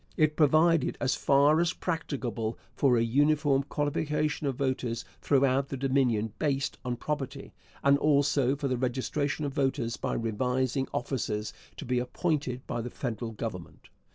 It provided, as far as practicable, for a uniform qualification of voters throughout the Dominion based on property, and also for the registration of voters by revising officers to be appointed by the federal Government.